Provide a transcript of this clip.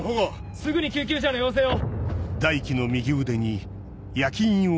すぐに救急車の要請を！